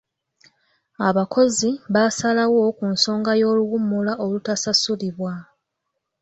Abakozi baasalawo ku nsonga y'oluwummula olutasasulibwa.